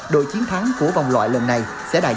đội chiến thắng của vòng loại lần này là nhật bản